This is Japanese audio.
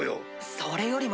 それよりも。